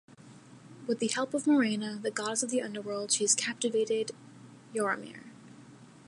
With the help of Morena, the goddess of the underworld, she has captivated Yaromir.